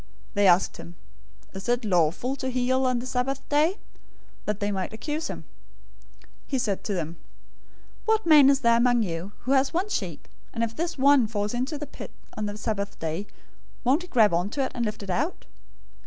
They asked him, "Is it lawful to heal on the Sabbath day?" that they might accuse him. 012:011 He said to them, "What man is there among you, who has one sheep, and if this one falls into a pit on the Sabbath day, won't he grab on to it, and lift it out?